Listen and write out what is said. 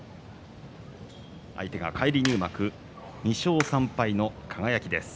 相手が返り入幕２勝３敗の輝です。